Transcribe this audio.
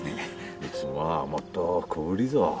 いつもはもっと小ぶりぞ